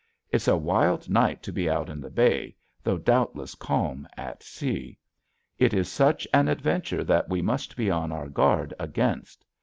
It's a wild night to be out in the bay though doubtless calm at sea. It is such an adventure that we must be on our guard against.